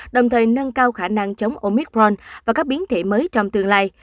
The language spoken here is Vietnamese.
đồng thời nâng cao khả năng chống omicron và các biến thể mới trong tương lai